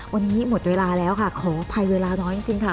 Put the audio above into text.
วันนี้หมดเวลาแล้วค่ะขออภัยเวลาน้อยจริงค่ะ